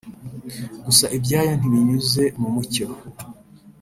Gusa ibyayo ntibinyuze mu mucyo